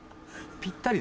ぴったり。